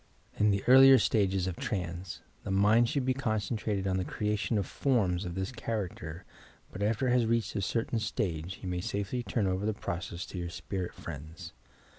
In the earlier stages of trance, the mind should be con centrated on the creation of forms of this character, but after it has reached a certain stage, you may safely turn over the process to your spirit friends.